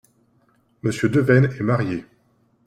Monsieur Devaisnes est marié.